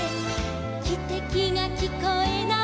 「きてきがきこえない」